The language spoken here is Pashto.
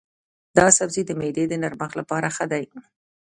دا سبزی د معدې د نرمښت لپاره ښه دی.